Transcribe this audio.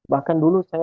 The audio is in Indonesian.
bahkan dulu saya pernah